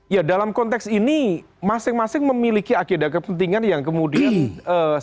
ya dalam konteks ini masing masing memiliki agenda kepentingan yang kemudian